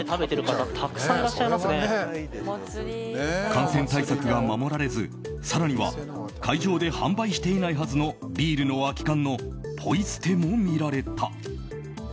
感染対策が守られず、更には会場で販売していないはずのビールの空き缶のポイ捨ても見られた。